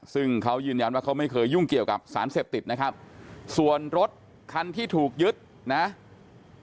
ซึ่งเขายืนยันว่าเขาไม่เคยยุ่งเกี่ยวกับสารเสพติดนะครับส่วนรถคันที่ถูกยึดนะครับ